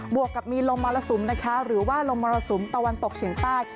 วกกับมีลมมรสุมนะคะหรือว่าลมมรสุมตะวันตกเฉียงใต้